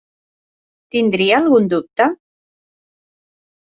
Tindria algun dubte?